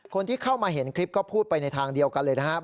คนที่เข้ามาเห็นคลิปก็พูดไปในทางเดียวกันเลยนะครับ